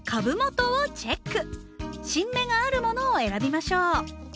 新芽があるものを選びましょう。